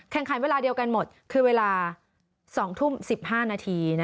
แข่งขันเวลาเดียวกันหมดคือเวลา๒ทุ่ม๑๕นาที